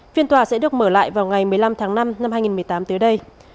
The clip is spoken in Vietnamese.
phiên tòa sẽ được mở lại vào ngày một mươi năm tháng năm năm hai nghìn một mươi tám tới đây